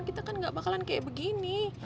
kita kan gak bakalan kayak begini